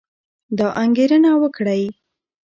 دا انګېرنه وکړئ